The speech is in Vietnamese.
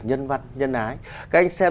nhân vật nhân ái các anh xem